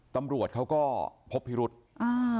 ตำรวจเขาก็พบพิรุษอ่า